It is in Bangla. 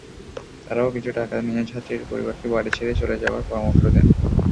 তাঁরাও কিছু টাকা নিয়ে ছাত্রীর পরিবারকে বাড়ি ছেড়ে চলে যাওয়ার পরামর্শ দেন।